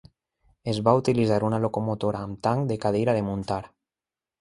Es va utilitzar una locomotora amb tanc de cadira de muntar.